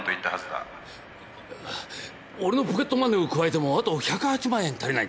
だがおれのポケットマネーを加えてもあと１０８万円足りないんだ。